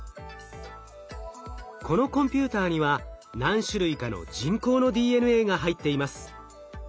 このコンピューターには何種類かの人工のＤＮＡが入っています。